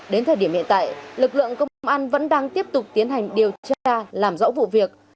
đến thời điểm hiện tại lực lượng công an vẫn đang tiếp tục tiến hành điều tra làm rõ vụ việc